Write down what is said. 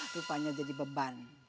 rupanya jadi beban